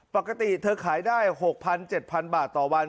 ปกติเธอขายได้๖๐๐๗๐๐บาทต่อวัน